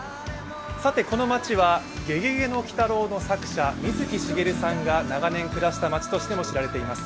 さて、この街は「ゲゲゲの鬼太郎」の作者、水木しげるさんが長年暮らした街としても知られています。